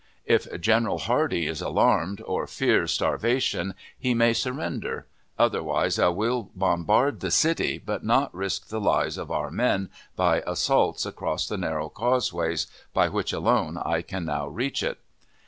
If General Hardee is alarmed, or fears starvation, he may surrender; otherwise I will bombard the city, but not risk the lives of our men by assaults across the narrow causeways, by which alone I can now reach it.